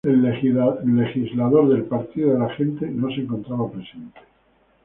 El legislador del Partido de la Gente no se encontraba presente.